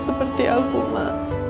seperti aku ma